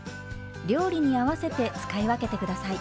料理に合わせて使い分けて下さい。